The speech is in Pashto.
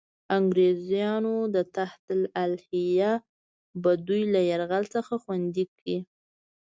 انګرېزانو تحت الحیه به دوی له یرغل څخه خوندي کړي.